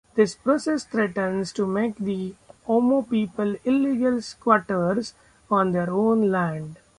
This process threatens to make the Omo people 'illegal squatters' on their own land.